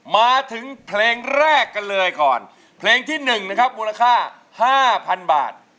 มาถึงเพลงแรกกันเลยก่อนเพลงที่๑นะครับมูลค่า๕๐๐๐บาท